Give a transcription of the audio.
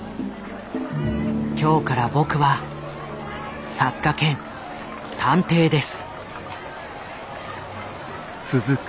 今日から僕は作家兼探偵です」。